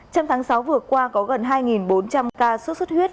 trong tháng sáu vừa qua có gần hai bốn trăm linh ca sốt xuất huyết